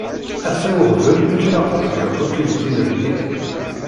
Ata uɣbel imi k-ilaq ad tgeḍ akk ibeddilen-nni!